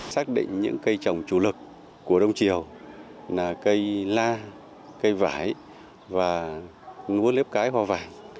xác định những cây trồng chủ lực của đông triều là cây la cây vải và lúa lép cái hoa vàng